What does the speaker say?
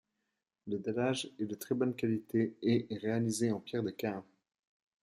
Le dallage est de très bonne qualité et est réalisé en pierre de Caen.